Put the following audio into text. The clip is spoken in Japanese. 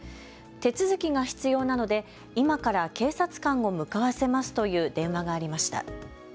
手続きが必要なので今から警察官を向かわせますという電話がありました。